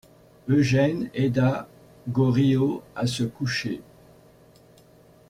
Eugène aida Goriot à se coucher.